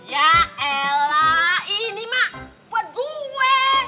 ya elah ini mak buat gue